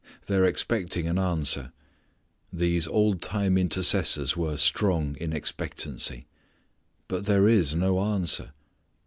They are expecting an answer. These old time intercessors were strong in expectancy. But there is no answer.